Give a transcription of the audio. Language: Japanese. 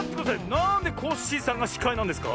なんでコッシーさんがしかいなんですか？